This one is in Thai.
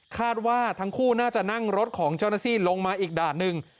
คาดว่าทั้งคู่น่าจะนั่งรถของเจ้าหน้าที่ลงมาอีกด่านหนึ่ง